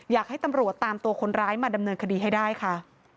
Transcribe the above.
อยากให้ตำรวจตามตัวคนร้ายมาดำเนินคดีให้ได้ค่ะ